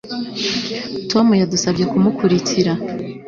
Tom yadusabye kumukurikira